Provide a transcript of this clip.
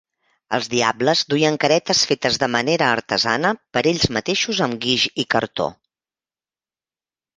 Els diables duien caretes fetes de manera artesana per ells mateixos amb guix i cartó.